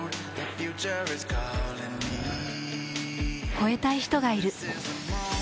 超えたい人がいる。